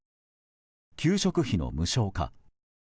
給食費の無償化。